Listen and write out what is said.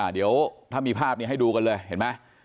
เดี๋ยวถ้ามีภาพนี้ให้ดูกันเลยเห็นไหม